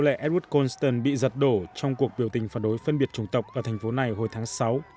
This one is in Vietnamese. tỷ lệ edward colston bị giật đổ trong cuộc biểu tình phản đối phân biệt chủng tộc ở thành phố này hồi tháng sáu